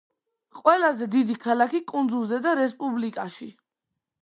ყველაზე დიდი ქალაქი კუნძულზე და რესპუბლიკაში.